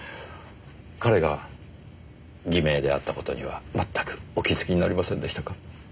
彼が偽名であった事にはまったくお気づきになりませんでしたか？